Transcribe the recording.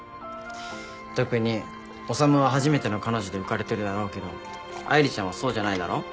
特に修は初めての彼女で浮かれてるだろうけど愛梨ちゃんはそうじゃないだろ？